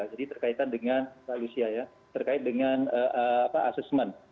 jadi terkait dengan mbak lucia ya terkait dengan assessment